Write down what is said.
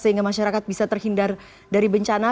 sehingga masyarakat bisa terhindar dari bencana